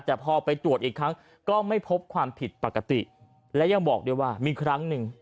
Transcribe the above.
แต่พอไปตรวจอีกครั้งก็ไม่พบความผิดปกติและยังบอกด้วยว่ามีครั้งหนึ่ง